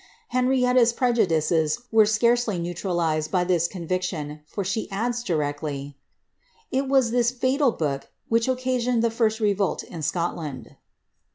Hen fietta^B prejudices were scarcely neutralized by this conviction, for she Su'ds directly, ^^ it was this fatal book which occasioned ilic first revolt in Sf oiland."